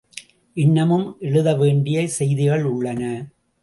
இன்னமும் எழுத வேண்டிய செய்திகள் உள்ளன.